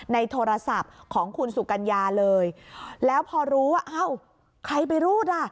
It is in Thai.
ในโทรศัพท์ของคุณสุกัญญาเลยแล้วพอรู้ว่าอ้าวใครไปรูดล่ะ